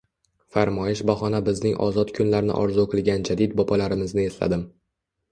Farmoyish bahona bizning ozod kunlarni orzu qilgan jadid bobolarimizni esladim.